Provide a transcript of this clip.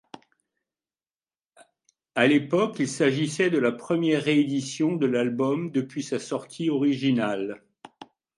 À l'époque, il s'agissait de la première réédition de l'album depuis sa sortie originale.